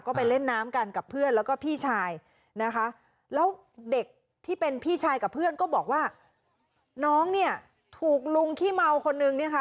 ก็ไปเล่นน้ำกันกับเพื่อนแล้วก็พี่ชายนะคะแล้วเด็กที่เป็นพี่ชายกับเพื่อนก็บอกว่าน้องเนี่ยถูกลุงขี้เมาคนนึงเนี่ยนะคะ